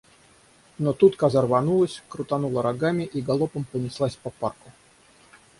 Но тут коза рванулась, крутанула рогами и галопом понеслась по парку.